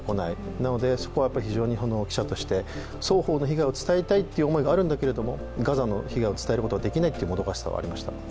なのでそこはやっぱり記者として双方の被害を伝えたいという思いはあるんだけれどガザの被害を伝えることができないというもどかしさはありました。